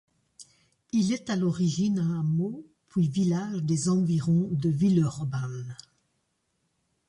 Il est à l'origine un hameau, puis village des environs de Villeurbanne.